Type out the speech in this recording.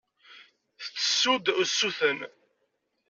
Tettessu-d usuten.